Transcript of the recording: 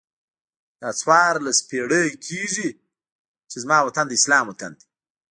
دا څوارلس پیړۍ کېږي چې زما وطن د اسلام وطن دی.